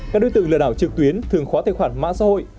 các đối tượng lừa đảo trực tuyến thường khóa tài khoản mạng xã hội